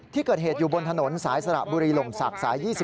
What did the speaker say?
ที่เกิดเหตุอยู่บนถนนสายสระบุรีหล่มศักดิ์สาย๒๐